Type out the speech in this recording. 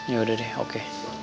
ya udah deh oke